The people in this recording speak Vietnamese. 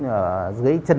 ở dưới chân